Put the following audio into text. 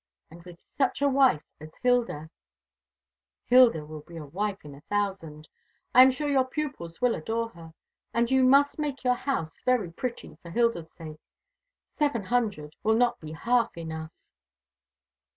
And with such a wife as Hilda " "Hilda will be a wife in a thousand. I am sure your pupils will adore her; and you must make your house very pretty, for Hilda's sake. Seven hundred will not be half enough."